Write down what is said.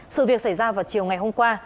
sự việc xảy ra vào chiều ngày hôm qua